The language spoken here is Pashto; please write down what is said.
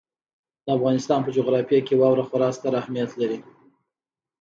د افغانستان په جغرافیه کې واوره خورا ستر اهمیت لري.